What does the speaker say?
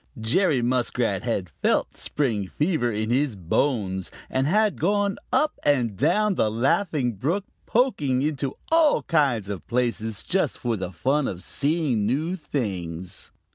Jerry Muskrat had felt the spring fever in his bones and had gone up and down the Laughing Brook, poking into all kinds of places just for the fun of seeing new things.